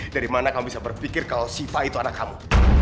dari mana kamu bisa berpikir kalau siva itu anak kamu